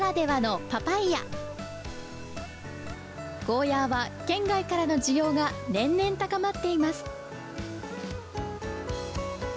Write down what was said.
ゴーヤーは県外からの需要が年々高まっています。